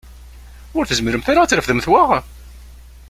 Ur tezmiremt ara ad trefdemt wa?